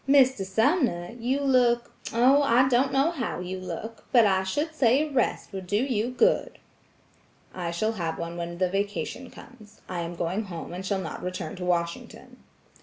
"Mr. Sumner, you look–oh, I don't know how you look, but I should say a rest would do you good." "I shall have one when the vacation comes. I am going home and I shall not return to Washington."